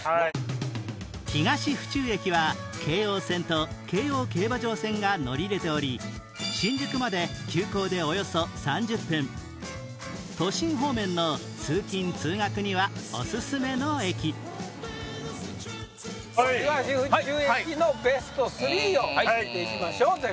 東府中駅は京王線と京王競馬場線が乗り入れており新宿まで急行でおよそ３０分都心方面の通勤通学にはおすすめの駅東府中駅のベスト３を決めて行きましょう。